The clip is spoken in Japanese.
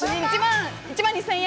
１万２０００円。